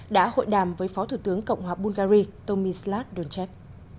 đã hội đàm với phó thủ tướng cộng hòa bungary tomislav donchev